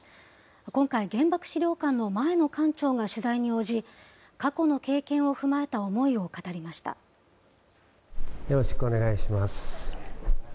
今回、原爆資料館の前の館長が取材に応じ、過去の経験を踏まえた思いをよろしくお願いします。